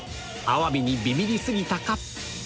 アワビにビビり過ぎたか？